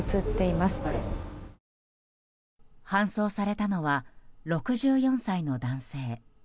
搬送されたのは６４歳の男性。